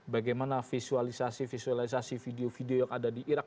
bagaimana visualisasi visualisasi video video yang ada di irak